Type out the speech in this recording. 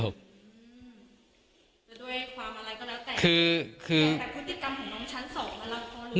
แต่ด้วยความอะไรก็แล้วแต่คือคือแต่พฤติกรรมของน้องชั้นสองมารับตัวเลย